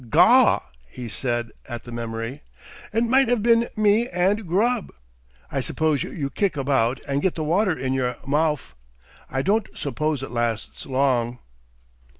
"Gaw!" he said at the memory; "it might 'ave been me and Grubb!... I suppose you kick about and get the water in your mouf. I don't suppose it lasts long."